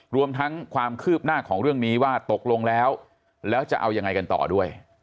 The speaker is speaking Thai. รวมทั้งความคืบหน้าของเรื่องนี้ว่าตกลงแล้วแล้วจะเอายังไงกันต่อด้วย